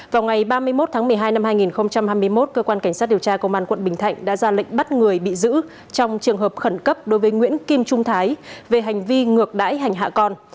vào ngày ba mươi một tháng một mươi hai năm hai nghìn hai mươi một cơ quan cảnh sát điều tra công an quận bình thạnh đã ra lệnh bắt người bị giữ trong trường hợp khẩn cấp đối với nguyễn kim trung thái về hành vi ngược đãi hành hạ con